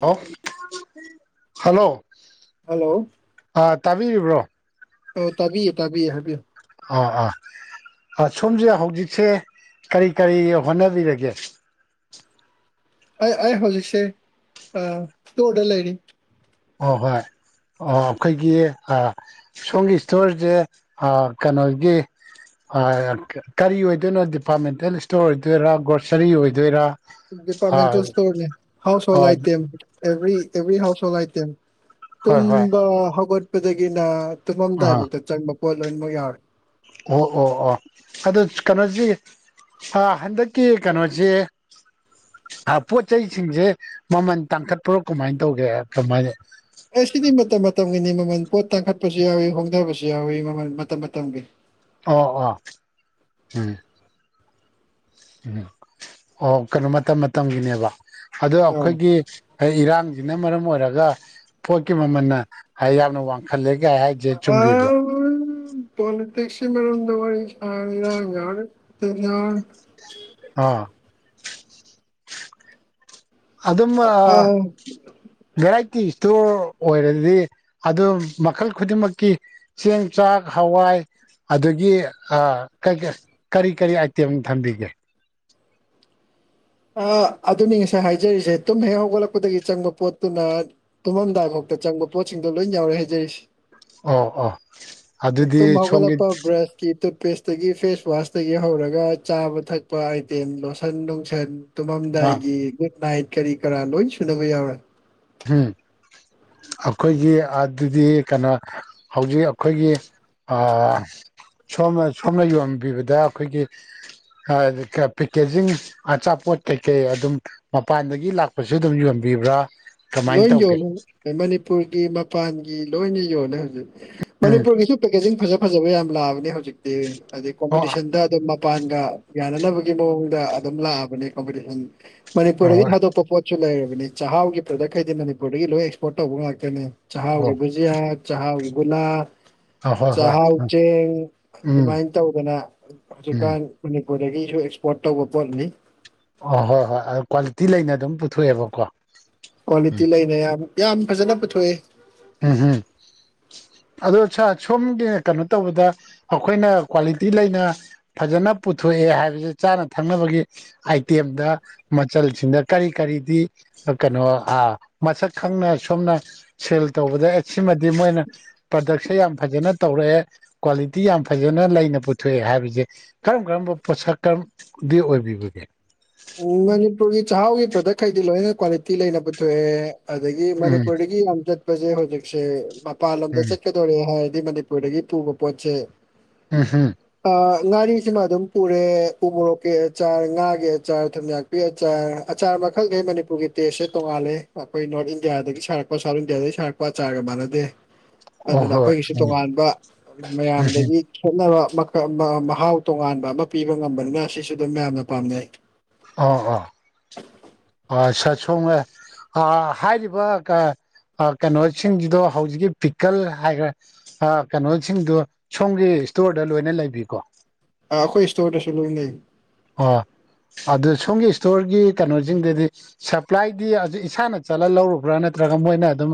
hello hello hello ꯑꯥ ꯇꯥꯕꯤꯔꯤꯕ꯭ꯔꯣ ꯑꯦ ꯇꯥꯕꯤꯌꯦ ꯇꯥꯕꯤꯌꯦ ꯍꯥꯏꯕꯤꯌꯣ ꯑꯥ ꯑꯥ ꯑꯥ ꯁꯣꯝꯁꯦ ꯍꯧꯖꯤꯛꯁꯦ ꯀꯔꯤ ꯀꯔꯤ ꯍꯣꯠꯅꯕꯤꯔꯒꯦ ꯑꯩ ꯑꯩ ꯍꯧꯖꯤꯛꯁꯦ ꯑꯥ ꯏꯁꯇꯣꯔꯗ ꯂꯩꯔꯤ ꯑꯣ ꯍꯣꯏ ꯑꯣ ꯑꯩꯈꯣꯏꯒꯤ ꯑꯥ ꯁꯣꯝꯒꯤ ꯏꯁꯇꯣꯔꯁꯦ ꯑꯥ ꯀꯩꯅꯣꯒꯤ ꯑꯑ ꯀꯔꯤ ꯑꯣꯏꯗꯣꯏꯅꯣ ꯗꯤꯄꯥꯔꯠꯃꯦꯟꯇꯦꯜ ꯏꯁꯇꯣꯔ ꯑꯣꯏꯗꯣꯏꯔꯥ ꯒ꯭ꯔꯣꯁꯥꯔꯤ ꯑꯣꯏꯗꯣꯏꯔꯥ ꯑ ꯗꯤꯄꯥꯔꯠꯃꯦꯟꯇꯦꯜ ꯏꯁꯇꯣꯔꯅꯦ ꯍꯥꯎꯁ ꯍꯣꯜ ꯑꯣ item every every household item ꯍꯣꯏ ꯍꯣꯏ ꯇꯨꯝꯕ ꯍꯧꯒꯠꯄꯗꯒꯤꯅ ꯑꯥ ꯇꯨꯝꯃꯝꯗꯥꯏꯕꯧꯇ ꯆꯪꯕ ꯄꯣꯠ ꯂꯣꯏꯃꯛ ꯌꯥꯎꯔꯦ ꯑꯣ ꯑꯣ ꯑꯣ ꯑꯗꯣ ꯀꯥꯅꯣꯖꯤ ꯑꯥ ꯍꯟꯗꯛꯀꯤ ꯀꯥꯅꯣꯖꯤ ꯑꯥ ꯄꯣꯠ ꯆꯩꯁꯤꯡꯁꯦ ꯃꯃꯥꯟ ꯇꯥꯡꯈꯠꯄ꯭ꯔꯣ ꯀꯨꯃꯥꯏ ꯇꯧꯒꯦ ꯀꯃꯥꯏ ꯑꯦ ꯁꯤꯗꯤ ꯃꯇꯝ ꯃꯇꯝꯒꯤꯅꯤ ꯃꯃꯜ ꯄꯣꯠ ꯇꯥꯡꯈꯠꯄꯁꯤ ꯌꯥꯎꯏ ꯍꯣꯡꯗꯕꯁꯨ ꯌꯥꯎꯏ ꯃꯃꯜ ꯃꯇꯝ ꯃꯇꯝꯒꯤ ꯑꯣ ꯑꯣ ꯎꯝ ꯎꯝ ꯑꯣ ꯀꯩꯅꯣ ꯃꯇꯝ ꯃꯇꯝꯒꯤꯅꯦꯕ ꯑꯗꯣ ꯑꯩꯈꯣꯏꯒꯤ ꯍꯩ ꯏꯔꯥꯡꯖꯤꯅ ꯃꯔꯝ ꯑꯣꯏꯔꯒ ꯄꯣꯠꯀꯤ ꯃꯥꯃꯟꯅ ꯍꯥꯏ ꯌꯥꯝꯅ ꯋꯥꯡꯈꯠꯂꯦ ꯀꯥꯏ ꯍꯥꯏꯁꯦ ꯆꯨꯝꯕꯤꯕ꯭ꯔꯣ [unintelligible] ꯄꯣꯂꯤꯇꯤꯛꯁꯤ ꯃꯔꯝ ꯋꯥꯔꯤ ꯁꯥꯔ ꯢꯔꯥꯡ ꯃꯌꯥꯝ [unintelligible] ꯑꯥ ꯑꯗꯨꯝ ꯑꯥ ꯕꯦꯔꯥꯢ ꯇꯤ ꯏꯁꯇꯣꯔ ꯑꯣꯏꯔꯗꯤ ꯑꯗꯨꯝ ꯃꯈꯜ ꯈꯨꯗꯤꯡꯃꯛꯀꯤ ꯆꯦꯡ ꯆꯥꯛ ꯍꯋꯥꯏ ꯑꯗꯨꯒꯤ ꯑꯥ ꯀꯩ ꯀꯩ ꯀꯔꯤ ꯀꯔꯤ ꯑꯥꯏꯇꯦꯝ ꯊꯝꯕꯤꯒꯦ ꯑꯥ ꯑꯗꯨꯅꯤ ꯉꯁꯥꯏ ꯍꯥꯏꯖꯔꯤꯁꯦ ꯇꯨꯝ ꯍꯦꯛ ꯍꯧꯒꯠꯂꯛꯄꯗꯒꯤ ꯆꯪꯕ ꯄꯣꯠꯇꯨꯅ ꯇꯨꯝꯃꯝꯗꯥꯏꯐꯥꯎ ꯇ ꯆꯪꯕ ꯄꯣꯠꯁꯤꯡꯗꯣ ꯂꯣꯏ ꯌꯥꯎꯔꯦ ꯍꯥꯏꯖꯔꯤꯁꯤ ꯑꯣ ꯑꯣ ꯇꯨꯝ ꯑꯗꯨꯗꯤ ꯁꯣꯝꯒꯤ ꯍꯧꯒꯠꯂꯛꯄ ꯕ꯭ꯔꯁꯀꯤ ꯇꯨꯠꯄꯦꯁ ꯇꯒꯤ ꯐꯦꯁ ꯋꯥꯁꯇꯒꯤ ꯍꯧꯔꯒ ꯆꯥꯕ ꯊꯛꯄ ꯑꯥꯏꯇꯦꯝ ꯂꯣꯁꯟ ꯅꯨꯡꯁꯟ ꯑꯥ ꯇꯨꯝꯃꯝꯗꯥꯏꯒꯤ ꯒꯨꯠꯅꯥꯏꯠ ꯀꯔꯤ ꯀꯔꯥ ꯂꯣꯏ ꯁꯨꯅꯕ ꯌꯥꯎꯔꯦ ꯍꯝ ꯑꯩꯈꯣꯏꯒꯤ ꯑꯗꯨꯗꯤ ꯀꯩꯅꯣ ꯍꯧꯖꯤꯛ ꯑꯩꯈꯣꯏꯒꯤ ꯑꯥ ꯁꯣꯝꯅ ꯁꯣꯝꯅ ꯌꯣꯟꯕꯤꯕꯗ ꯑꯩꯈꯣꯏꯒꯤ ꯑꯥ ꯀꯥ ꯄꯦꯛꯀꯦꯖꯤꯡ ꯑꯆꯥꯄꯣꯠ ꯀꯩꯀꯩ ꯑꯗꯨꯝ ꯃꯄꯥꯟꯗꯒꯤ ꯂꯥꯛꯄꯁꯨ ꯑꯗꯨꯝ ꯌꯣꯟꯕꯤ ꯕ꯭ꯔꯥ ꯂꯣꯏ ꯌꯣꯜꯂꯦ ꯃꯅꯤꯄꯨꯔꯒꯤ ꯃꯄꯥꯟꯒꯤ ꯂꯣꯏꯅ ꯌꯣꯜꯂꯦ ꯍꯧꯖꯤꯛ ꯎꯝ ꯃꯅꯤꯄꯨꯔꯒꯤꯁꯨ ꯄꯦꯀꯦꯖꯤꯡ ꯐꯖ ꯐꯖꯕ ꯌꯥꯝ ꯂꯥꯛꯑꯕꯅꯤ ꯍꯧꯖꯤꯛꯇꯤ ꯑꯗꯩ ꯑꯣ ꯀꯣꯝꯄꯤꯇꯤꯁꯟꯗ ꯑꯗꯨꯝ ꯃꯄꯥꯟꯒ ꯌꯥꯅꯅꯕꯒꯤ ꯃꯑꯣꯡꯗ ꯑꯗꯨꯝ ꯂꯥꯛꯑꯕꯅꯦ ꯀꯝꯄꯤꯇꯤꯁꯟ ꯑꯣ ꯃꯅꯤꯄꯨꯔꯗꯒꯤ ꯊꯥꯗꯣꯛꯄ ꯄꯣꯠꯁꯨ ꯂꯩꯔꯕꯅꯤ ꯆꯥꯛꯍꯥꯎꯒꯤ ꯄ꯭ꯔꯗꯛꯈꯩꯗꯤ ꯃꯅꯤꯄꯨꯔꯗꯒꯤ ꯂꯣꯏ ꯑꯦꯛꯁꯄꯣꯔꯠ ꯇꯧꯕ ꯉꯥꯛꯇꯅꯦ ꯆꯥꯛꯍꯥꯎꯒꯤ ꯑꯣ ꯕꯨꯖꯤꯌꯥ ꯆꯥꯛꯍꯥꯎꯒꯤ ꯒꯨꯂꯥ ꯑꯍꯣꯏ ꯍꯣꯏ ꯆꯍꯥꯎ ꯍꯣꯏ ꯎꯝ ꯆꯦꯡ ꯎꯝ ꯑꯗꯨꯃꯥꯏꯅ ꯇꯧꯗꯅ ꯎꯝ ꯍꯧꯖꯤꯛꯀꯥꯟ ꯄꯨꯔꯗꯒꯤꯁꯨ ꯑꯦꯛꯁꯄꯣꯔꯠ ꯇꯧꯕ ꯄꯣꯠꯅꯤ ꯑꯣ ꯍꯣꯏ ꯍꯣꯏ ꯑ ꯀ꯭ꯋꯥꯂꯤꯇꯤ ꯂꯩꯅ ꯑꯗꯨꯝ ꯄꯨꯊꯣꯛꯑꯦꯕꯀꯣ ꯎꯝ ꯀ꯭ꯋꯥꯂꯤꯇꯤ ꯂꯩꯅ ꯌꯥꯝ ꯌꯥꯝ ꯐꯖꯅ ꯄꯨꯊꯣꯛꯑꯦ ꯎꯝ ꯍꯝ ꯑꯗꯣ ꯁꯥꯔ ꯁꯣꯝꯒꯤ ꯀꯩꯅꯣ ꯇꯧꯕꯗ ꯑꯩꯈꯣꯏꯅ ꯀ꯭ꯋꯥꯂꯤꯇꯤ ꯂꯩꯅ ꯐꯖꯅ ꯄꯨꯊꯣꯛ ꯊꯣꯛꯑꯦ ꯍꯥꯏꯕꯁ ꯆꯥꯅ ꯊꯛꯅꯕꯒꯤ ꯑꯥꯏꯇꯦꯝꯗ ꯃꯆꯜꯁꯤꯡꯗ ꯀꯔꯤ ꯀꯔꯤꯗꯤ ꯀꯩꯅꯣ ꯃꯁꯛ ꯈꯪꯅ ꯁꯣꯝꯅ ꯁꯤꯜ ꯇꯧꯕꯗ ꯑꯦ ꯁꯤꯃꯗꯤ ꯃꯣꯏꯅ ꯄ꯭ꯔꯥꯗꯛꯁꯦ ꯌꯥꯝ ꯐꯖꯅ ꯇꯧꯔꯛꯑꯦ ꯀ꯭ꯋꯥꯂꯤꯇꯤ ꯌꯥꯝ ꯐꯩꯌꯦ ꯂꯩꯅꯩ ꯄꯨꯊꯣꯛꯑꯦ ꯍꯥꯏꯕꯁꯦ ꯀꯔꯝ ꯀꯔꯝꯕ ꯄꯣꯠꯁꯛ ꯀꯔꯝ ꯗꯤ ꯑꯣꯏꯕꯤꯕꯒꯦ ꯎꯝ ꯃꯅꯤꯄꯨꯔꯒꯤ ꯆꯥꯛꯍꯥꯎꯒꯤ ꯄ꯭ꯔꯗꯛꯈꯩꯗꯤ ꯂꯣꯏꯅ ꯀ꯭ꯋꯥꯂꯤꯇꯤ ꯂꯩꯅꯕ ꯄꯨꯊꯣꯛꯑꯦ ꯑꯗꯒꯤ ꯎꯝ ꯃꯅꯤꯄꯨꯔꯗꯒꯤ ꯌꯥꯝ ꯆꯠꯄꯁꯦ ꯍꯧꯖꯤꯛꯁꯦ ꯃꯄꯥꯟ ꯂꯝꯗ ꯎꯝ ꯆꯠꯀꯗꯣꯔꯦ ꯍꯥꯏ ꯃꯗꯤ ꯄꯔꯗꯒꯤ ꯄꯨꯒꯄꯣꯆꯦ ꯎꯝ ꯍꯝ ꯑꯥ ꯉꯥꯔꯤꯁꯤꯃ ꯑꯗꯨꯝ ꯄꯨꯔꯦ ꯎ ꯃꯣꯔꯣꯛꯀꯤ ꯑꯆꯥꯔ ꯉꯥꯒꯤ ꯑꯆꯥꯔ ꯊꯨꯝ ꯌꯥꯛꯄꯤ ꯑꯆꯥꯔ ꯑꯆꯥꯔ ꯃꯈꯜꯈꯩ ꯃꯅꯤꯄꯨꯔꯒꯤ ꯇꯦꯁꯁ ꯇꯣꯡꯉꯥꯂꯦ ꯑꯩꯈꯣꯏ ꯅꯣꯔꯠ ꯏꯟꯗꯤꯌꯥꯗꯒꯤ ꯁꯥꯔꯛ ꯃꯣꯏ ꯁꯥꯎꯠ ꯏꯟꯗꯤꯌꯥꯗꯩ ꯁꯥꯔꯛꯄ ꯑꯆꯥꯔꯒ ꯃꯥꯟꯅꯗꯦ ꯑꯣ ꯑꯗꯨꯅ ꯍꯣꯏ ꯑꯩꯈꯣꯏꯒꯤꯁꯨ ꯎꯝ ꯇꯣꯉꯥꯟꯕ ꯃꯌꯥꯝꯗꯒꯤ ꯈꯦꯠꯅꯕ ꯃꯀ ꯃ ꯃꯍꯥꯎ ꯇꯣꯉꯥꯟꯕ ꯑꯃ ꯄꯤꯕ ꯉꯝꯕꯅꯤꯅ ꯁꯤꯁꯨ ꯑꯗꯨꯝ ꯃꯌꯥꯝꯅ ꯄꯥꯝꯅꯩ ꯑꯥ ꯍꯥ ꯑ ꯁꯥ ꯁꯣꯉꯦ ꯑꯥ ꯍꯥꯏꯔꯤꯕ ꯀ ꯑ ꯀꯩꯅꯣꯁꯤꯡꯁꯤꯗꯣ ꯍꯧꯖꯤꯛꯀꯤ ꯄꯤꯀꯜ ꯍꯥꯏꯈ꯭ꯔꯦ ꯑ ꯀꯅꯣꯁꯤꯡꯗꯨ ꯁꯣꯝꯒꯤ ꯏꯁꯇꯣꯔꯗ ꯂꯣꯏꯅ ꯂꯩꯕꯤꯀꯣ ꯑꯥ ꯑꯩꯈꯣꯏ ꯏꯁꯇꯣꯔꯗꯁꯨ ꯂꯣꯏ ꯂꯩ ꯑꯣ ꯑꯗꯨ ꯁꯣꯝꯒꯤ ꯏꯁꯇꯣꯔꯒꯤ ꯀꯩꯅꯣꯁꯤꯡꯗꯨꯗꯤ ꯁꯄ꯭ꯂꯥꯏꯗꯤ ꯏꯁꯥꯅ ꯆꯠꯂ ꯂꯧꯔꯨꯕ꯭ꯔꯥ ꯅꯠ ꯅꯠꯇ꯭ꯔꯒ ꯃꯣꯏꯅ ꯑꯗꯨꯝ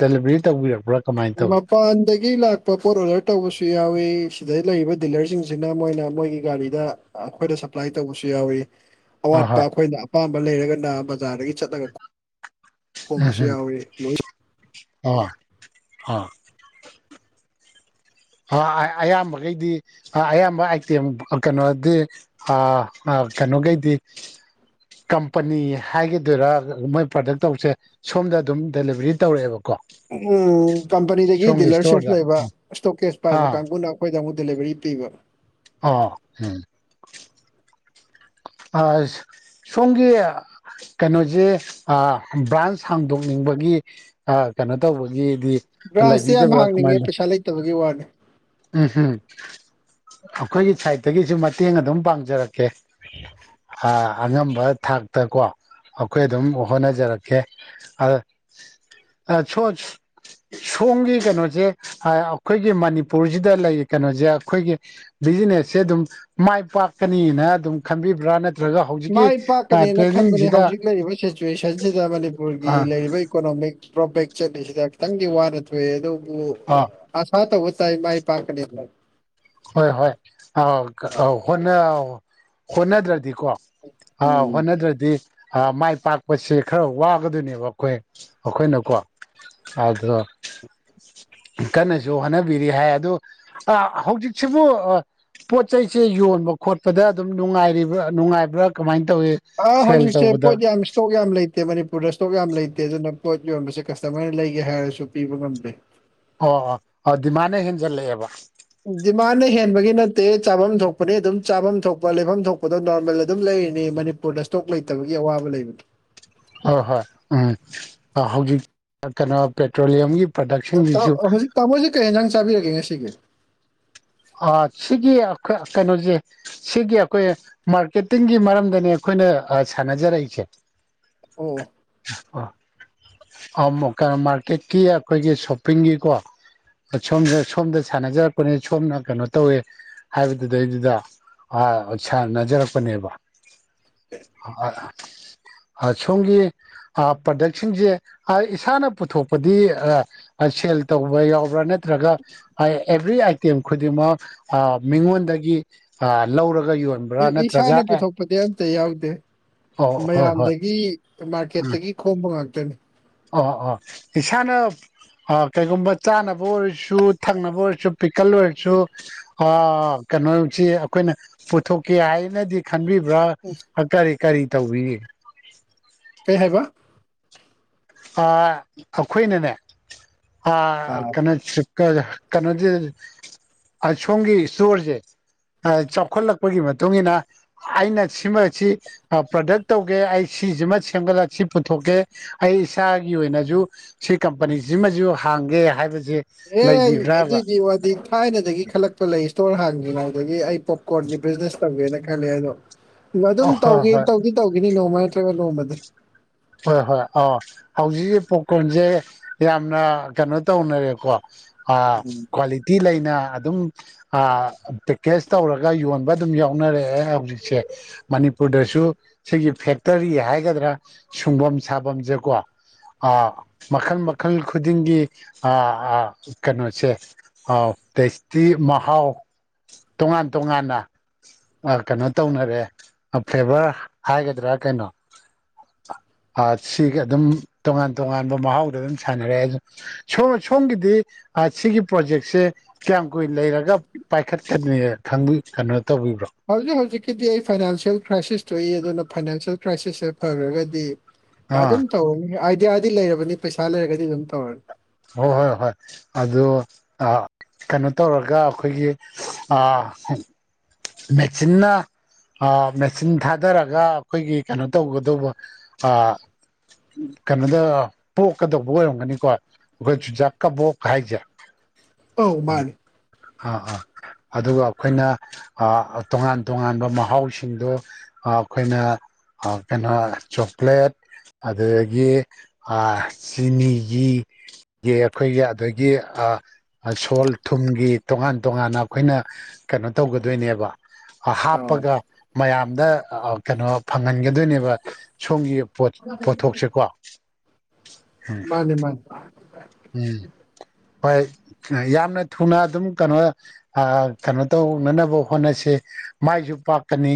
ꯗꯦꯂꯤꯚꯔꯤ ꯇꯧꯕꯤꯔꯛꯄ꯭ꯔꯥ ꯀꯃꯥꯏꯅ ꯇꯧꯋꯤ ꯃꯄꯥꯟꯗꯒꯤ ꯂꯥꯛꯄ ꯄꯣꯠ ꯑꯣꯗꯔ ꯇꯧꯕꯁꯨ ꯌꯥꯎꯋꯤ ꯁꯤꯗꯩ ꯂꯩꯔꯤꯕ ꯗꯤꯂꯔꯁꯤꯡꯁꯤꯅ ꯃꯣꯏꯅ ꯃꯣꯏꯒꯤ ꯒꯥꯔꯤꯗ ꯑꯩꯈꯣꯏꯗ ꯁꯄ꯭ꯂꯥꯏ ꯇꯧꯕꯁꯨ ꯌꯥꯎꯋ ꯑ ꯑꯋꯥꯠꯄ ꯍꯣꯏ ꯑꯩꯈꯣꯏꯅ ꯑꯄꯥꯝꯕ ꯂꯩꯔꯒꯅ ꯕꯖꯥꯔꯗꯒꯤ ꯆꯠꯂꯒ ꯈꯣꯝꯕꯁꯨ ꯎꯝꯝ ꯌꯥꯎꯏ ꯂꯣꯏ ꯍ ꯑꯣ ꯑꯣ ꯑ ꯑꯌꯥꯝꯕꯈꯩꯗꯤ ꯑꯌꯥꯝꯕ ꯑꯥꯏꯇꯦꯝ ꯀꯩꯅꯣꯗꯤ ꯑ ꯑ ꯀꯩꯅꯣꯒꯩꯗꯤ ꯀꯝꯄꯅꯤ ꯍꯥꯏꯈꯤꯗꯨꯔꯥ ꯃꯣꯏ ꯄ꯭ꯔꯗꯛ ꯇꯧꯁꯦ ꯁꯣꯝꯗ ꯑꯗꯨꯝ ꯗꯦꯂꯤꯚꯔꯤ ꯇꯧꯔꯛꯑꯦꯕ ꯎꯝ ꯀꯝꯄꯅꯤꯗꯒꯤ ꯗꯤꯂꯔꯁꯤꯁ ꯏꯁꯇꯣꯔꯗ ꯂꯩꯕ ꯏꯁꯇꯣꯛꯀꯦꯁ ꯄꯥꯏꯕ ꯑꯥ ꯀꯥꯡꯕꯨꯅ ꯑꯩꯈꯣꯏ ꯗ ꯑꯃꯨꯛ ꯗꯦꯂꯤꯕꯔꯤ ꯄꯤꯕ ꯑꯥ ꯎꯝ ꯑꯁ ꯁꯣꯝꯒꯤ ꯀꯩꯅꯣꯁꯦ ꯑ ꯕ꯭ꯔꯥꯟꯁ ꯍꯥꯡꯗꯣꯛꯅꯤꯡꯕꯒꯤ ꯀꯩꯅꯣ ꯇꯧꯕꯒꯤ ꯕ꯭ꯔꯥꯟꯁꯇꯤ ꯌꯥꯝ ꯂꯩꯕꯤꯗꯕ꯭ꯔꯥ ꯍꯥꯡꯅꯤꯡꯉꯦ ꯀꯃꯥꯏꯅ ꯄꯩꯁꯥ ꯂꯩꯇꯕꯒꯤ ꯋꯥꯅꯤ ꯎꯝ ꯍ ꯑꯩꯈꯣꯏꯒꯤ ꯁꯥꯏꯠꯇꯒꯤꯁꯨ ꯃꯇꯦꯡ ꯑꯗꯨꯝ ꯄꯥꯡꯖꯔꯛꯀꯦ ꯑ ꯑꯉꯝꯕ ꯊꯥꯛꯇ ꯀꯣ ꯑꯩꯈꯣꯏ ꯑꯗꯨꯝ ꯍꯣꯠꯅꯖꯔꯛꯀꯦ ꯑꯗ ꯑ ꯁꯣꯁ ꯁꯣꯝꯒꯤ ꯀꯩꯅꯣꯁꯦ ꯑ ꯑꯩꯈꯣꯏꯒꯤ ꯃꯅꯤꯄꯨꯔꯁꯤꯗ ꯂꯩ ꯀꯩꯅꯣꯁꯦ ꯑꯩꯈꯣꯏꯒꯤ ꯕꯤꯖꯤꯅꯦꯁꯁꯦ ꯑꯗꯨꯝ ꯃꯥꯏ ꯄꯥꯛꯀꯅꯤꯅ ꯑꯗꯨꯝ ꯈꯟꯕꯤꯕ꯭ꯔꯥ ꯅꯠ ꯃꯥꯏ ꯄꯥꯛꯀꯅꯦꯅ ꯈꯟꯕꯅꯦ ꯍꯧꯖꯤꯛ ꯂꯩꯔꯤꯕ ꯁꯤꯆꯨꯋꯦꯁꯟꯁꯤꯗ ꯃꯅꯤꯄꯨꯔꯒꯤ ꯑꯥ ꯂꯩꯔꯤꯕ ꯏꯀꯣꯅꯣꯃꯤꯛ ꯗ꯭ꯔꯣꯕꯦꯛ ꯆꯠꯂꯤꯁꯤꯗ ꯈꯤꯇꯪꯗꯤ ꯋꯥꯅ ꯊꯣꯛꯑꯦ ꯑꯗꯨꯕꯨ ꯑꯥ ꯑꯁꯥ ꯇꯧꯕ ꯇꯥꯏꯃꯥꯏ ꯄꯥꯥꯛꯀꯅꯦꯕ ꯍꯣꯏ ꯍꯣꯏ ꯑ ꯑꯧ ꯍꯣꯠꯅ ꯍꯣꯅꯗ꯭ꯔꯗꯤ ꯀꯣ ꯑ ꯎꯝ ꯍꯣꯠꯅꯗ꯭ꯔꯗꯤ ꯃꯥꯏ ꯄꯥꯛꯄꯁꯦ ꯈꯔ ꯋꯥꯒꯗꯣꯏꯅꯦꯕ ꯑꯩꯈꯣꯏ ꯑꯩꯈꯣꯏ ꯅꯀꯣ ꯑꯗꯨ ꯀꯟꯅꯁꯨ ꯍꯣꯠꯅꯕꯤꯔꯤ ꯍꯥꯏ ꯑꯗꯣ ꯑ ꯍꯧꯖꯤꯛ ꯁꯤꯕꯨ ꯑ ꯄꯣꯠ ꯆꯩꯁꯦ ꯌꯣꯟꯕ ꯈꯣꯠꯄꯗ ꯑꯗꯨꯝ ꯅꯨꯡꯉꯥꯏꯒ꯭ꯔꯤꯕ ꯅꯨꯡꯉꯥꯏꯕ꯭ꯔꯥ ꯀꯃꯥꯏ ꯑꯥ ꯍꯧꯖꯤꯛꯁꯦ ꯄꯣꯠ ꯌꯥꯝ ꯏꯁꯇꯣꯛ ꯌꯥꯝ ꯂꯩꯇꯦ ꯃꯅꯤꯄꯨꯔꯗ ꯏꯁꯇꯣꯛ ꯌꯥꯝ ꯂꯩꯇꯦ ꯑꯗꯨꯅ ꯄꯣꯠ ꯌꯣꯟꯕꯁꯦ ꯀꯁꯇꯃꯔꯅ ꯂꯩꯒꯦ ꯍꯥꯏꯔꯁꯨ ꯄꯤꯕ ꯉꯝꯗꯦ ꯑꯣ ꯑꯣ ꯑ ꯗꯤꯃꯥꯟꯅ ꯍꯦꯟꯖꯜꯂꯛꯑꯦꯕ ꯗꯤꯃꯥꯟꯅ ꯍꯦꯟꯕꯒꯤ ꯅꯠꯇꯦ ꯆꯥꯐꯝ ꯊꯣꯛꯄꯅꯤ ꯑꯗꯨꯝ ꯆꯥꯐꯝ ꯊꯣꯛꯄ ꯂꯩꯐꯝ ꯊꯣꯛꯄꯗꯣ ꯅꯣꯔꯃꯦꯜ ꯑꯗꯨꯝ ꯂꯩ ꯅꯦ ꯃꯅꯤꯄꯨꯔꯗ ꯏꯁꯇꯣꯛ ꯂꯩꯇꯕꯒꯤ ꯑꯋꯥꯕ ꯂꯩꯕꯗꯨ ꯍꯣꯏ ꯍꯣꯏ ꯎꯝ ꯍꯧꯖꯤꯛ ꯀꯩꯅꯣ ꯄꯦꯇ꯭ꯔꯣꯂꯤꯌꯝꯒꯤ ꯄ꯭ꯔꯗꯛꯁꯤꯡꯁꯤꯁꯨ ꯍꯧꯖꯤꯛ ꯇꯥꯃꯣꯁꯦ ꯀꯩ ꯍꯤꯟꯖꯥꯡ ꯆꯥꯕꯤꯔꯒꯦ ꯉꯁꯤꯒꯤ ꯑ ꯁꯤꯒꯤ ꯑꯩꯈꯣꯏ ꯀꯩꯅꯣꯖꯦ ꯁꯤꯒꯤ ꯑꯩꯈꯣꯏ ꯃꯥꯔꯀꯦꯇꯤꯡꯒꯤ ꯃꯔꯝꯗꯅꯦ ꯑꯩꯈꯣꯏ ꯁꯤꯗ ꯑ ꯁꯥꯟꯅꯖꯔ ꯔꯛꯢꯁꯦ ꯑꯣ ꯑ ꯃꯣꯀ ꯃꯥꯔꯀꯦꯠꯀꯤ ꯑꯩꯈꯣꯏꯒꯤ ꯁꯣꯞꯄꯤꯡꯒꯤꯀꯣ ꯁꯣꯝꯗ ꯁꯣꯝꯗ ꯁꯥꯟꯅꯖꯔꯛꯄꯅꯦ ꯁꯣꯝꯅ ꯀꯩꯅꯣ ꯇꯧꯋꯦ ꯍꯥꯏꯕꯗꯨ ꯗꯩꯗꯨꯗ ꯑ ꯁꯥꯟꯅꯖ ꯔꯛꯄꯅꯦꯕ ꯑ ꯑ ꯁꯣꯝꯒꯤ ꯑ ꯄ꯭ꯔꯗꯛꯁꯤꯡꯁꯦ ꯑ ꯏꯁꯥꯅ ꯄꯨꯊꯣꯛꯄꯗꯤ ꯑ ꯁꯦꯜ ꯇꯧꯕ ꯌꯥꯎꯕ꯭ꯔꯥ ꯅꯦ ꯇ꯭ꯔꯒ ꯑꯦꯕꯔꯤ ꯑꯥꯏꯇꯦꯝ ꯈꯨꯗꯤꯡꯃꯛ ꯃꯤꯉꯣꯟꯗꯒꯤ ꯂꯧꯔꯒ ꯌꯣꯟꯕ꯭ꯔꯥ ꯅꯠꯇ꯭ꯔꯒ ꯏꯁꯥꯅ ꯑꯦ ꯄꯨꯊꯣꯛꯄꯗꯤ ꯑꯝꯇ ꯌꯥꯎꯗꯦ ꯑꯣ ꯍꯣꯏ ꯍꯣꯏ ꯃꯌꯥꯝꯗꯒꯤ ꯃꯥꯔꯀꯦꯠꯇꯒꯤ ꯈꯣꯝꯕ ꯉꯥꯛ ꯑꯣ ꯑꯣ ꯏꯁꯥꯅ ꯍ ꯀꯩꯒꯨꯝꯕ ꯆꯥꯅꯕ ꯑꯣꯏꯔꯁꯨ ꯊꯛꯅꯕ ꯑꯣꯏꯔꯁꯨ ꯄꯤꯛꯀꯜ ꯑꯣꯏꯔꯁꯨ ꯀꯩꯅꯣꯁꯤ ꯑꯩꯈꯣꯏꯅ ꯄꯨꯊꯣꯛꯀꯦ ꯍꯥꯏꯅꯗꯤ ꯈꯟꯕꯤꯕ꯭ꯔꯥ ꯍ ꯀꯔꯤ ꯀꯔꯤ ꯇꯧꯕꯤꯔꯤ ꯀꯩ ꯍꯥꯏꯕ ꯑ ꯑꯩꯈꯣꯏꯅꯅꯦ ꯑ ꯑꯥ ꯀꯩꯅꯣ ꯀꯩꯅꯣꯗꯤ ꯑꯥ ꯁꯣꯝꯒꯤ ꯏꯁꯇꯣꯔꯁꯦ ꯆꯥꯎꯈꯠꯂꯛꯄꯒꯤ ꯃꯇꯨꯡꯏꯟꯅ ꯑꯩꯅ ꯁꯤꯃꯕꯁꯤ ꯄ꯭ꯔꯗꯛ ꯇꯧꯒꯦ ꯑꯩ ꯁꯤꯖꯤꯃ ꯁꯦꯝꯒꯠꯂꯒ ꯁꯤ ꯄꯨꯊꯣꯛꯀꯦ ꯑꯩ ꯏꯁꯥꯒꯤ ꯑꯣꯏꯅꯁꯨ ꯁꯤ ꯀꯝꯄꯅꯤꯁꯤꯃꯁꯨ ꯍꯥꯡꯒꯦ ꯍꯥꯏꯕꯖꯦ ꯑꯦ ꯑꯗꯨꯏꯗꯤ ꯋꯥꯗꯤ ꯊꯥꯏꯅꯗꯒꯤ ꯈꯜꯂꯛꯄ ꯂꯩ ꯏꯁꯇꯣꯔ ꯍꯥꯡꯗ꯭ꯔꯤꯉꯗꯒꯤ ꯑꯩ ꯄꯣꯞꯀꯣꯔꯟꯒꯤ ꯕꯤꯖꯤꯅꯦꯁ ꯇꯧꯒꯦꯅ ꯈꯜꯂꯦ ꯑꯗꯣ ꯑ ꯑꯗꯨꯝ ꯇꯧ ꯍꯣꯏ ꯍꯣꯏ ꯇꯧꯗꯤ ꯇꯧꯈꯤꯅꯤ ꯅꯣꯡꯃ ꯅꯇ꯭ꯔꯕ ꯅꯣꯡꯃꯗꯤ ꯍꯣꯏ ꯍꯣꯏ ꯑꯥ ꯍꯧꯖꯤꯛꯁ ꯄꯣꯞꯀꯣꯔꯟꯁꯦ ꯌꯥꯝꯅ ꯀꯩꯅꯣ ꯇꯧꯅꯔꯦꯀꯣ ꯑ ꯎꯝ ꯀ꯭ꯋꯥꯂꯤꯇꯤ ꯂꯩꯅ ꯑꯗꯨꯝ ꯑ ꯄꯀꯦꯖ ꯇꯧꯔꯒ ꯌꯣꯟꯕ ꯑꯗꯨꯝ ꯌꯥꯎꯅꯔꯛꯑꯦ ꯍꯧꯖꯤꯛꯁꯦ ꯃꯅꯤꯄꯨꯔꯗꯁꯨ ꯁꯤꯒꯤ ꯐꯦꯛꯇꯔꯤ ꯍꯥꯏꯒꯗ꯭ꯔꯥ ꯁꯨꯡꯐꯝ ꯁꯥꯐꯝꯁꯦꯀꯣ ꯑꯥ ꯃꯈꯜ ꯃꯈꯜ ꯈꯨꯗꯤꯡꯒꯤꯥ ꯑ ꯀꯩꯅꯣꯁꯦ ꯑꯥꯎ ꯇꯦꯁꯇꯤ ꯃꯍꯥꯎ ꯇꯣꯉꯥꯟ ꯇꯣꯉꯥꯟꯅ ꯑ ꯀꯩꯅꯣ ꯇꯧꯅꯔꯦ ꯐ꯭ꯂꯦꯚꯔ ꯍꯥꯏꯒꯗ꯭ꯔꯥ ꯀꯩꯅꯣ [unintelligible] ꯑ ꯁꯤꯒ ꯑꯗꯨꯝ ꯇꯣꯉꯥꯟ ꯇꯣꯉꯥꯟꯕ ꯃꯍꯥꯎꯗ ꯑꯗꯨꯝ ꯁꯥꯟꯅꯔꯦ ꯑ ꯁꯣꯝ ꯁꯣꯝꯒꯤꯗꯤ ꯁꯤꯒꯤ ꯄ꯭ꯔꯣꯖꯦꯛꯁꯦ ꯀꯌꯥꯝ ꯀꯨꯏꯅ ꯂꯩꯔꯒ ꯄꯥꯏꯈꯠꯀꯅꯤ ꯈꯪꯕꯤ ꯀꯩꯅꯣ ꯇꯧꯕꯤꯕ꯭ꯔꯣ ꯍꯧꯖꯤꯛ ꯍꯧꯖꯤꯛꯀꯤꯗꯤ ꯑꯩ ꯐꯥꯏꯅꯥꯟꯁꯤꯌꯦꯜ ꯀ꯭ꯔꯥꯏꯁꯤꯁ ꯊꯣꯛꯏ ꯑꯗꯨꯅ ꯐꯥꯏꯅꯥꯟꯁꯤꯌꯦꯜ ꯀ꯭ꯔꯥꯏꯁꯤꯁꯁꯦ ꯐꯈꯔꯒꯗꯤ ꯑꯥ ꯑꯗꯨꯝ ꯇꯧꯔꯅꯤ ꯑꯥꯏꯗꯤꯌꯥꯗꯤ ꯂꯩꯔꯕꯅꯤ ꯄꯩꯁꯥ ꯂꯩꯔꯒꯗꯤ ꯑꯗꯨꯝ ꯇꯧꯔꯅꯤ ꯍꯣꯏ ꯍꯣꯏ ꯍꯣꯏ ꯑꯗꯨ ꯑ ꯀꯩꯅꯣ ꯇꯧꯔꯒ ꯑꯩꯈꯣꯏꯒꯤ ꯃꯦꯆꯤꯟꯅ ꯃꯦꯆꯤꯟ ꯊꯥꯗꯔꯒ ꯑꯩꯈꯣꯏꯒꯤ ꯀꯩꯅꯣ ꯇꯧꯒꯗꯧꯕ ꯀꯩꯅꯣꯗ ꯄꯣꯛꯀꯗꯧꯕ ꯑꯣꯏꯔꯝꯒꯅꯤꯀꯣ ꯑꯩꯈꯣꯏ ꯆꯨꯖꯥꯛ ꯀꯕꯣꯛ ꯍꯥꯏꯖꯦ ꯑꯧ ꯃꯥꯟꯅꯦ ꯑꯥ ꯑꯥ ꯑꯗꯨꯒ ꯑꯩꯈꯣꯏꯅ ꯇꯣꯉꯥꯟ ꯇꯣꯉꯥꯟꯕ ꯃꯍꯥꯎꯁꯤꯡꯗꯣ ꯑꯩꯈꯣꯏꯅ ꯑ ꯀꯩꯅꯣ ꯆꯣꯀꯂꯦꯠ ꯑꯗꯨꯗꯒꯤ ꯆꯤꯅꯤꯒꯤ ꯒꯤ ꯑꯩꯈꯣꯏꯒꯤ ꯑꯗꯒꯤ ꯁꯣꯜꯗ ꯊꯨꯝꯒꯤ ꯇꯣꯉꯥꯟ ꯇꯣꯉꯥꯟꯅ ꯑꯩꯈꯣꯏꯅ ꯀꯩꯅꯣ ꯇꯧꯒꯗꯣꯏꯅꯦꯕ ꯑꯧ ꯍꯥꯞꯄꯒ ꯃꯌꯥꯝꯗ ꯀꯩꯅꯣ ꯐꯪꯍꯟꯒꯗꯣꯏꯅꯦꯕ ꯁꯣꯝꯒꯤ ꯄꯣꯠꯊꯣꯛꯁꯦꯀꯣ ꯎꯝ ꯃꯥꯅꯦ ꯃꯥꯅꯦ ꯎꯝ ꯍꯣꯏ ꯌꯥꯝꯅ ꯊꯨꯅ ꯑꯗꯨꯝ ꯀꯩꯅꯣ ꯀꯩꯅꯣ ꯇꯧꯅꯅꯕ ꯍꯣꯠꯅꯁꯤ ꯃꯥꯏꯁꯨ ꯄꯥꯛꯀꯅꯤ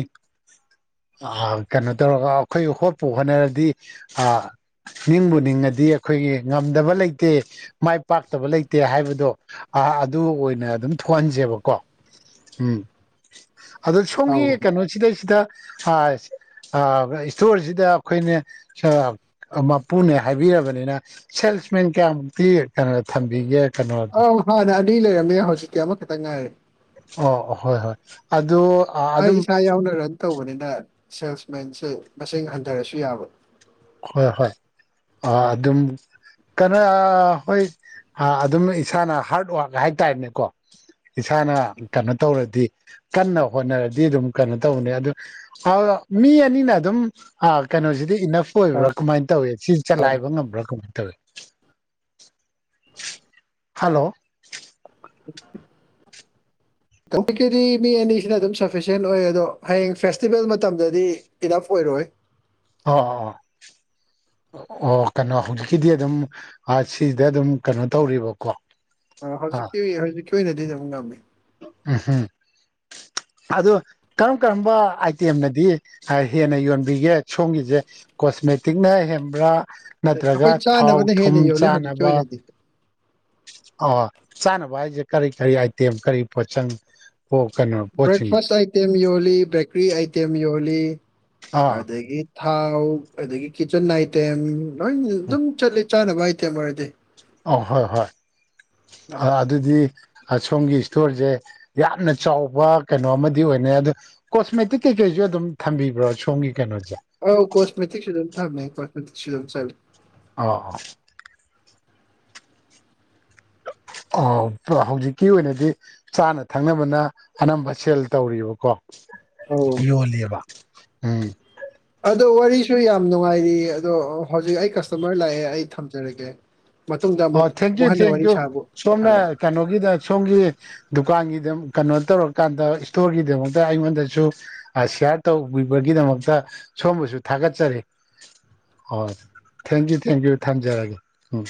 ꯑ ꯀꯩꯅꯣ ꯇꯧꯔꯒ ꯑꯩꯈꯣꯏ ꯍꯣꯠꯄꯨ ꯍꯣꯠꯅꯔꯗꯤ ꯑꯥ ꯅꯤꯡꯕꯨ ꯅꯤꯡꯉꯗꯤ ꯑꯩꯈꯣꯏꯒꯤ ꯉꯝꯗꯕ ꯂꯩꯇ ꯇꯦ ꯃꯥꯏ ꯄꯥꯛꯇꯕ ꯂꯩꯇꯦ ꯍꯥꯏꯕꯗꯣ ꯑꯗꯨ ꯑꯣꯏꯅ ꯑꯗꯨꯝ ꯊꯣꯛꯍꯟꯁꯦꯕꯀꯣ ꯎꯝ ꯑꯗꯣ ꯑꯧ ꯁꯣꯝꯒꯤ ꯀꯩꯅꯣꯁꯤꯗꯩꯁꯤꯗ ꯑ ꯏꯁꯇꯣꯔꯁꯤꯗ ꯑꯩꯈꯣꯏꯅ ꯃꯄꯨꯅꯦ ꯍꯥꯏꯕꯤꯔꯕꯅꯤꯅ ꯁꯦꯜꯁꯃꯦꯟ ꯀꯌꯥꯃꯨꯛꯇꯤ ꯀꯩꯅꯣ ꯊꯝꯕꯤꯒꯦ ꯀꯩꯅꯣ ꯑꯧ ꯍꯥꯟꯅ ꯑꯅꯤ ꯂꯩꯔꯝꯃꯦ ꯍꯧꯖꯤꯛꯇꯤ ꯑꯃꯈꯛꯇꯪ ꯉꯥꯏꯔꯦ ꯑꯣ ꯍꯣꯏ ꯍꯣꯏ ꯑꯗꯣ ꯑꯩ ꯏꯁꯥ ꯌꯥꯎꯅ ꯔꯟ ꯇꯧꯕꯅꯤꯅ ꯁꯦꯜꯁꯃꯦꯟꯁꯦ ꯃꯁꯤꯡ ꯍꯟꯊꯔꯁꯨ ꯌꯥꯕ ꯍꯣꯏ ꯍꯣꯏ ꯑ ꯑꯗꯨꯝ ꯀꯥꯅ ꯍꯣꯏ ꯑꯗꯨꯝ ꯏꯁꯥꯅ ꯍꯥꯔꯠ ꯋꯥꯔꯛ ꯍꯥꯏꯇꯥꯔꯦꯅꯦꯀꯣ ꯏꯁꯥꯅ ꯀꯩꯅꯣ ꯇꯧꯔꯗꯤ ꯀꯟꯅ ꯍꯣꯠꯅꯔꯗꯤ ꯑꯗꯨꯝ ꯀꯩꯅꯣ ꯇꯧꯕꯅꯦ ꯑꯗꯨ ꯃꯤ ꯑꯅꯤꯅ ꯑꯗꯨꯝ ꯀꯩꯅꯣꯁꯤꯗꯤ ꯏꯅꯞ ꯐ ꯑꯣꯏꯕ꯭ꯔꯥ ꯀꯃꯥꯏꯅ ꯇꯧꯏ ꯁꯤ ꯆꯂꯥꯏꯕ ꯉꯝꯕ꯭ꯔꯥ ꯀꯃꯥꯏꯅ ꯇꯧꯏ ꯍꯜꯂꯣ [inaudible] [inaudible] ꯍꯧꯖꯤꯛꯀꯤꯗꯤ ꯃꯤ ꯑꯅꯤꯁꯤꯅ ꯑꯗꯨꯝ ꯁꯐꯤꯁꯦꯟ ꯑꯣꯏ ꯑꯗꯣ ꯍꯌꯦꯡ ꯐꯦꯁꯇꯤꯚꯦꯜ ꯃꯇꯝꯗꯗꯤ ꯏꯅꯐ ꯑꯣꯏꯔꯣꯢ ꯑꯣꯢ ꯑꯥ ꯑꯥ ꯑꯥ ꯑꯣ ꯀꯩꯅꯣ ꯍꯧꯖꯤꯛꯀꯤꯗꯤ ꯑꯗꯨꯝ ꯁꯤꯗ ꯑꯗꯨꯝ ꯀꯩꯅꯣ ꯇꯧꯔꯤꯕꯀꯣ ꯑ ꯍꯧꯖꯤꯛꯀꯤ ꯍꯧꯖꯤꯛꯀꯤ ꯑꯣꯏꯅꯗꯤ ꯑꯗꯨꯃꯛ ꯉꯝꯃꯤ [unintelligible] ꯑꯗꯣ ꯀꯔꯝ ꯀꯔꯝꯕ ꯑꯥꯏꯇꯦꯝꯅꯗꯤ ꯍꯦꯟꯅ ꯌꯣꯟꯕꯤꯒꯦ ꯁꯣꯝꯒꯤꯁꯦ ꯀꯣꯠ ꯀꯣꯁꯃꯦꯇꯤꯛꯅ ꯍꯦꯟꯕ꯭ꯔꯥ ꯅꯠꯇ꯭ꯔꯒ ꯑꯩꯈꯣꯏ ꯊꯥꯎ ꯆꯥꯅꯕꯅ ꯊꯨꯝ ꯍꯦꯟꯅ ꯌꯣꯜꯂꯦ ꯍꯧꯖꯤꯛꯀꯤ ꯆꯥꯅꯕ ꯑꯣꯏꯅꯗꯤ ꯑ ꯆꯥꯅꯕ ꯍꯥꯏꯁꯦ ꯀꯔꯤ ꯀꯔꯤ ꯑꯥꯏꯇꯦꯝ ꯀꯔꯤ ꯄꯣꯠꯆꯪ ꯀꯩꯅꯣ ꯄꯣꯠꯁꯤꯡꯅꯣ ꯕ꯭ꯔꯦꯛꯐꯥꯁ ꯑꯥꯏꯇꯦꯝ ꯌꯣꯜꯂꯤ ꯕꯦꯀꯔꯤ ꯑꯥꯏꯇꯦꯝ ꯌꯣꯜꯂꯤ ꯑꯥ ꯑꯗꯒꯤ ꯊꯥꯎ ꯑꯗꯒꯤ ꯀꯤꯠꯆꯟ ꯑꯥꯏꯇꯦꯝ ꯂꯣꯏꯅ ꯑꯗꯨꯝ ꯆꯠꯂꯤ ꯆꯥꯅꯕ ꯑꯥꯏꯇꯦꯝ ꯑꯣꯏꯔꯗꯤ ꯑ ꯍꯣꯏ ꯍꯣꯏ ꯑꯗꯨꯗꯤ ꯁꯣꯝꯒꯤ ꯏꯁꯇꯣꯔꯁꯦ ꯌꯥꯝꯅ ꯆꯥꯎꯕ ꯀꯩꯅꯣ ꯑꯃꯗꯤ ꯑꯣꯏꯅ ꯅꯦ ꯑꯗꯣ ꯀꯣꯁꯃꯦꯇꯤꯛ ꯀꯩꯀꯩꯁꯨ ꯑꯗꯨꯝ ꯊꯝꯕꯤꯕ꯭ꯔꯣ ꯁꯣꯝꯒꯤ ꯀꯩꯅꯣꯁꯦ ꯑꯥꯎ ꯀꯣꯁꯃꯦꯇꯤꯛꯁꯨ ꯑꯗꯨꯝ ꯊꯝꯃꯦ ꯀꯣꯁꯃꯦꯊꯤꯛꯁꯨ ꯑꯗꯨꯝ ꯆꯠꯂꯦ ꯑꯧꯑꯧ [unintelligible] ꯑꯣ ꯍꯧꯖꯤꯛꯀꯤ ꯑꯣꯏꯅꯗꯤ ꯆꯥꯅ ꯊꯛꯅꯕꯅ ꯑꯅꯝꯕ ꯁꯦꯜ ꯇꯧꯔꯤꯕꯀꯣ ꯑꯧ ꯌꯣꯜꯂꯤꯑꯦꯕ ꯎꯝ ꯑꯗꯣ ꯋꯥꯔꯤꯁꯨ ꯌꯥꯝ ꯅꯨꯡꯉꯥꯏꯔꯤ ꯑꯗꯣ ꯍꯧꯖꯤꯛ ꯑꯩ ꯀꯁꯇꯃꯔ ꯂꯥꯛꯑꯦ ꯑꯩ ꯊꯝꯖꯔꯒꯦ ꯃꯇꯨꯡꯗ ꯑꯣ ꯑꯃꯨꯛ ꯊꯦꯡꯀ꯭ꯌꯨ ꯑꯃꯨꯛ ꯍꯟꯅ ꯋꯥꯔꯤ ꯊꯦꯡꯀ꯭ꯌꯨ ꯁꯥꯕꯨ ꯁꯣꯝꯅ ꯁꯥꯔꯁꯤ ꯀꯩꯅꯣꯒꯤꯗ ꯁꯣꯝꯒꯤ ꯗꯨ ꯗꯨꯀꯥꯟꯒꯤꯗ ꯀꯩꯅꯣ ꯇꯧꯔꯀꯥꯟꯗ ꯏꯁꯇꯣꯔꯒꯤꯗꯃꯛꯇ ꯑꯩꯉꯣꯟꯗꯁꯨ ꯁꯤꯌꯥꯔ ꯇꯧꯕꯤꯕꯒꯤ ꯁꯣꯝꯕꯨꯁꯨ ꯊꯥꯒꯠꯆꯔꯤ ꯑꯣ ꯊꯦꯡꯀ꯭ꯌꯨ ꯊꯦꯡꯀ꯭ꯌꯨ ꯊꯝꯖꯔꯒꯦ ꯎꯝ